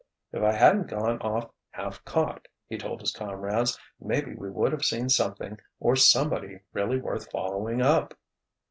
"If I hadn't gone off 'half cocked'," he told his comrades, "maybe we would have seen something or somebody really worth following up."